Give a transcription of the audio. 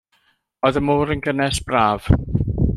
O'dd y môr yn gynnes braf.